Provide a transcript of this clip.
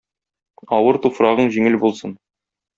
Авыр туфрагың җиңел булсын!